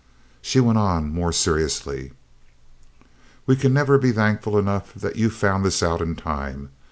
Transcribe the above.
She went on more seriously: "We can never be thankful enough that you found this out in time.